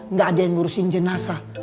nggak ada yang ngurusin jenazah